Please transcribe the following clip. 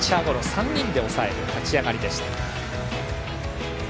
３人で抑える立ち上がりでした。